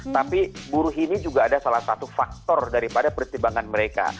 tapi buruh ini juga ada salah satu faktor daripada pertimbangan mereka